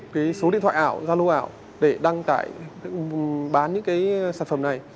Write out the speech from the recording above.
cái số điện thoại ảo gia lô ảo để đăng tải bán những cái sản phẩm này